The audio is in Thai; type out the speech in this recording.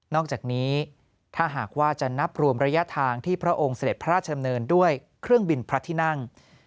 อกจากนี้ถ้าหากว่าจะนับรวมระยะทางที่พระองค์เสด็จพระราชดำเนินด้วยเครื่องบินพระที่นั่ง